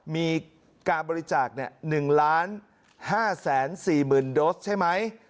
มีการบริจาค๑ล้าน๕แสน๔๐โดสใช่ไหม